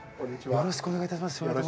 よろしくお願いします。